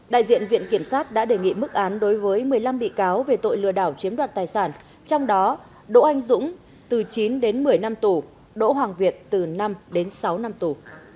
đại diện viện kiểm sát đã đề nghị mức án đối với một mươi năm bị cáo về tội lừa đảo chiếm đoạt tài sản trong đó đỗ anh dũng từ chín đến một mươi năm tù đỗ hoàng việt từ năm đến sáu năm tù